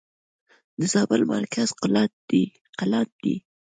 د زابل مرکز قلات دئ.